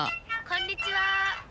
「こんにちは」